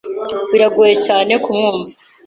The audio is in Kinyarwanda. Biragoye cyane kumwumva.